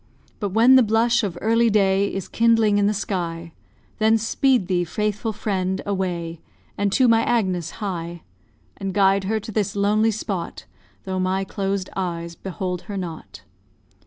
But when the blush of early day Is kindling in the sky, Then speed thee, faithful friend, away, And to my Agnes hie; And guide her to this lonely spot, Though my closed eyes behold her not.